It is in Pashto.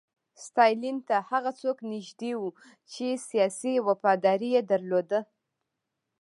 ستالین ته هغه څوک نږدې وو چې سیاسي وفاداري یې درلوده